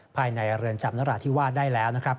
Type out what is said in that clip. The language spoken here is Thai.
ภายในเรือนจำที่ว่าได้แล้วนะครับ